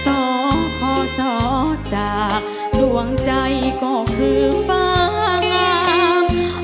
ซ้อขอซ้อจากร่วงใจก็คือฟ้างาม